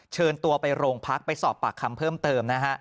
เชิญตัวไปโรงพักไปสอบปากคำเพิ่มเติมนะฮะ